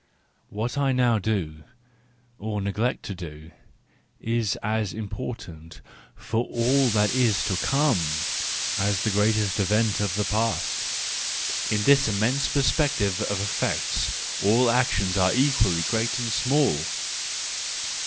—What I now do, or neglect to do, is as important for all that is to come , as the greatest event of the past: in this immense perspective of effects all actions are equally great and small.